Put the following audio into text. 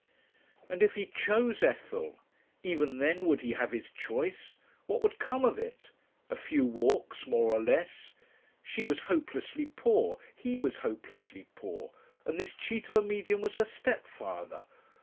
And if he chose Ethel, even then, would he have his choice? What would come of it? A few walks more or less! She was hopelessly poor, he was hopelessly poor, and this cheat of a Medium was her stepfather!